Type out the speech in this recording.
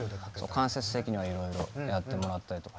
間接的にはいろいろやってもらったりとか。